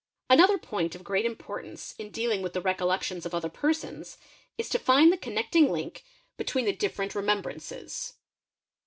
|{ Another point of great importance in dealing with the recollections of other persons, is to find the connecting link between the differen MEMORY 75 'remembrances.